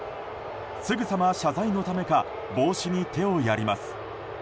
すぐさま謝罪のためか帽子に手をやります。